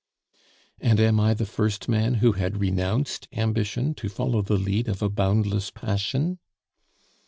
"And am I the first man who had renounced ambition to follow the lead of a boundless passion?"